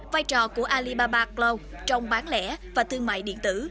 vai trò của alibaba cloud trong bán lẻ và thương mại điện tử